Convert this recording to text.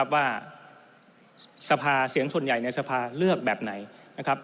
ว่าสภาเสียงส่วนใหญ่ในสภาเลือกแบบไหนนะครับ